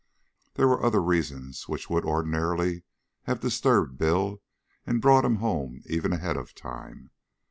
There were other reasons which would ordinarily have disturbed Bill and brought him home even ahead of time.